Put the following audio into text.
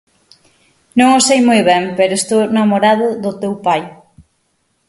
Non o sei moi ben pero estou namorado do teu pai.